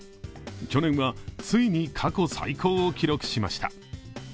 去年はついに過去最高を記録しました。